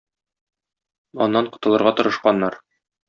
Аннан котылырга тырышканнар.